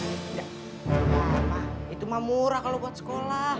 nah itu mah murah kalau buat sekolah